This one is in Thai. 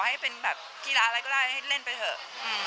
ให้เป็นแบบกีฬาอะไรก็ได้ให้เล่นไปเถอะ